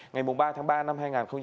ngày ba tháng ba năm hai nghìn hai mươi